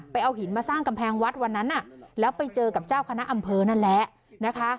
เอาหินมาสร้างกำแพงวัดวันนั้นแล้วไปเจอกับเจ้าคณะอำเภอนั่นแหละนะคะ